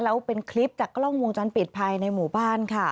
แล้วเป็นคลิปจากกล้องวงจรปิดภายในหมู่บ้านค่ะ